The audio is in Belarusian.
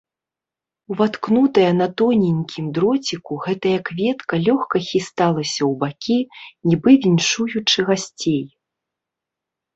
Уваткнутая на тоненькім дроціку, гэтая кветка лёгка хісталася ў бакі, нібы віншуючы гасцей.